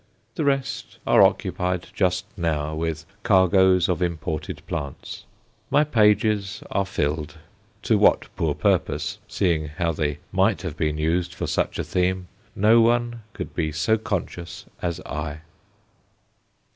The rest are occupied just now with cargoes of imported plants. My pages are filled to what poor purpose, seeing how they might have been used for such a theme, no one could be so conscious as I.